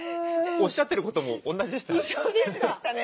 おっしゃってることも同じでしたね。